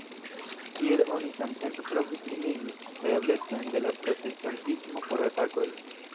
Tiel oni samtempe provis limigi la eblecojn de la protestantismo por atakoj.